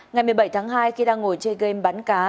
ngày một mươi bảy tháng hai khi đang ngồi chơi game bắn cá